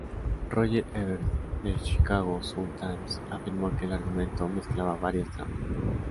Roger Ebert de The Chicago Sun-Times afirmó que el argumento "mezclaba varias tramas".